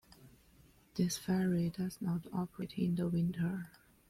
This ferry does not operate in the winter.